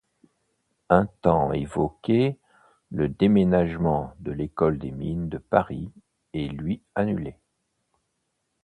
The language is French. Un temps évoqué, le déménagement de l’École des mines de Paris est lui annulé.